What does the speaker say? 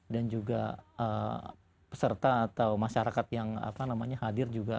dan juga peserta atau masyarakat yang hadir juga